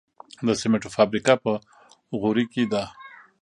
د سمنټو فابریکه په غوري کې ده